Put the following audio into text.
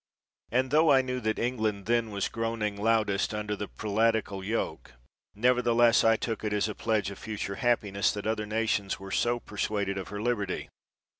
And tho I knew that England then was groan ing loudest under the prelatical yoke, neverthe less I took it as a pledge of future happiness that other nations were so persuaded of her lib erty.